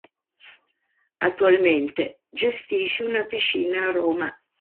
Attualmente gestisce una piscina a Roma.